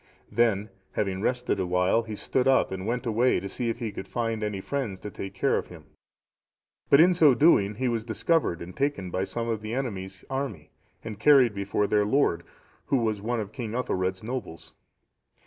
Then having rested awhile, he stood up, and went away to see if he could find any friends to take care of him; but in so doing he was discovered and taken by some of the enemy's army, and carried before their lord, who was one of King Ethelred's nobles.